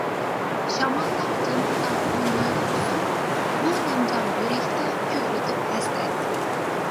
شاماللار جېنىمدا ئوينايدۇ ئۇسۇل، بۇ نىمجان يۈرەكتە كۆكلىتىپ ھەسرەت.